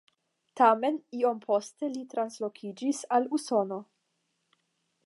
Tamen iom poste li translokiĝis al Usono.